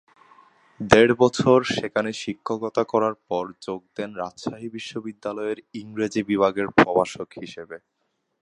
দেড় বছর সেখানে শিক্ষকতা করার পর যোগ দেন রাজশাহী বিশ্ববিদ্যালয়ের ইংরেজি বিভাগের প্রভাষক হিসাবে।